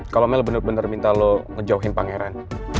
kalau mel bener bener minta lo ngejauhin pangeran